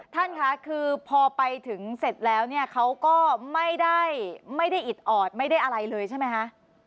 ท่านค่ะคือพอไปถึงเสร็จแล้วเนี่ยเขาก็ไม่ได้อิดออดไม่ได้อะไรเลยใช่ไหมคะ